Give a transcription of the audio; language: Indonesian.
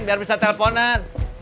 biar bisa teleponan